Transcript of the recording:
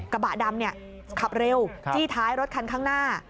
กระบะดำขับเร็วจี้ท้ายรถคันข้างหน้า